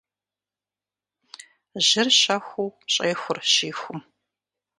Жьыр щэхуу щӏехур щихум.